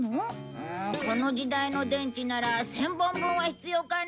うんこの時代の電池なら１０００本分は必要かな。